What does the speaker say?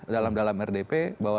dalam dalam rdp bahwa